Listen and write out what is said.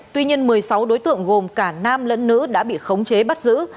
tuy nhiên một mươi sáu đối tượng gồm cả nam lẫn nữ đã bị khống chế bắt giữ